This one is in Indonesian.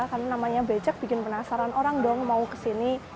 karena namanya becek bikin penasaran orang dong mau kesini